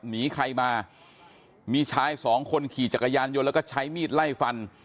หนีใครมามีชายสองคนขี่จักรยานยนต์แล้วก็ใช้มีดไล่ฟัน